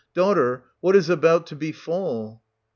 Daughter, what is about to befall.'